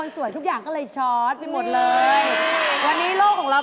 สวัสดีค่ะ